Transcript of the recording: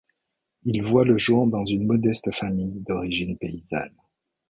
Il voit le jour dans une modeste famille d'origine paysanne.